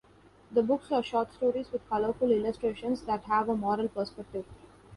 The books are short stories with colorful illustrations that have a moral perspective.